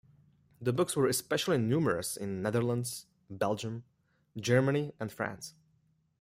The books were especially numerous in the Netherlands, Belgium, Germany, and France.